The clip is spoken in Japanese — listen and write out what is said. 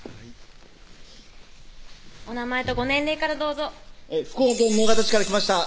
お名前とご年齢からどうぞ福岡県直方市から来ました